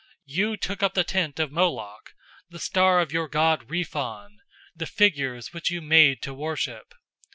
007:043 You took up the tent of Moloch, the star of your god Rephan, the figures which you made to worship.